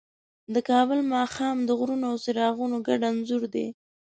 د کابل ماښام د غرونو او څراغونو ګډ انځور دی.